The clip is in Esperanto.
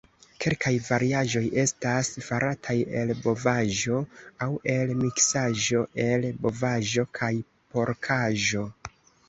Kelkaj variaĵoj estas farataj el bovaĵo aŭ el miksaĵo el bovaĵo kaj porkaĵo.